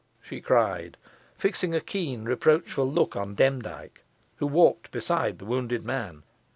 she cried, fixing a keen reproachful look on Demdike, who walked beside the wounded man.